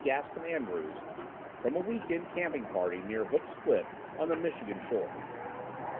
Gaston Andrews from a weekend camping party near Hook Spit on the Michigan shore.